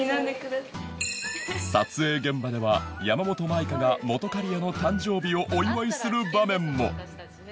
撮影現場では山本舞香が本仮屋の誕生日をお祝いする場面も